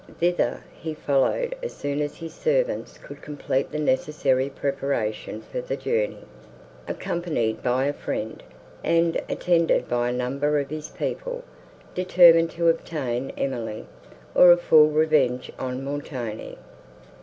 Thither he followed, as soon as his servants could complete the necessary preparation for the journey, accompanied by a friend, and attended by a number of his people, determined to obtain Emily, or a full revenge on Montoni.